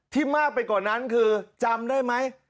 มากไปกว่านั้นคือจำได้ไหม